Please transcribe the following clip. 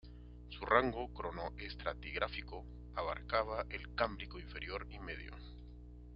Su rango cronoestratigráfico abarcaba el Cámbrico inferior y medio.